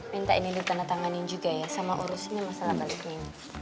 minta ini ditandatangani juga ya sama urusin masalah balik ini